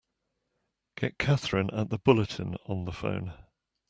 Get Katherine at the Bulletin on the phone!